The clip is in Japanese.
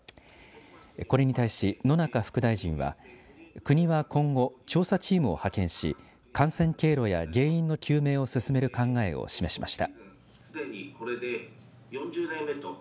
これに対し野中副大臣は国は今後、調査チームを派遣し感染経路や原因の究明を進める考えを示しました。